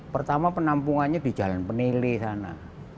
pertama penampungannya di jalan peneli sana